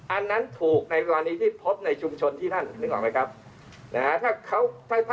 อันนั้นถูกในกรณีที่พบในชุมชนที่ท่านนึกออกไหมครับนะฮะ